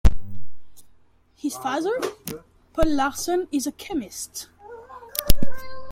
His father, Paul Larson, is a chemist.